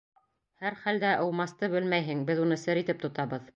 Һәр хәлдә, ыумасты белмәйһең, беҙ уны сер итеп тотабыҙ.